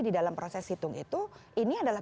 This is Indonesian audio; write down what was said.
di dalam proses hitung itu ini adalah